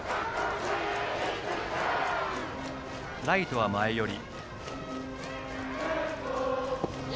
ライトは前寄り。